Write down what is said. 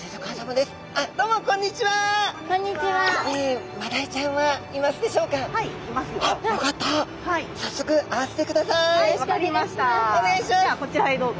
ではこちらへどうぞ。